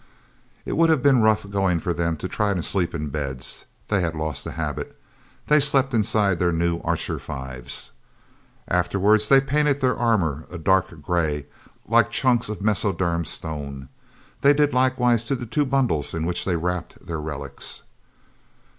It would have been rough going for them to try to sleep in beds. They had lost the habit. They slept inside their new Archer Fives. Afterwards they painted their armor a dark grey, like chunks of mesoderm stone. They did likewise to the two bundles in which they wrapped their relics.